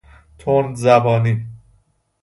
تندزبانی